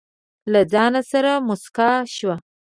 له ځانه سره موسکه شوه.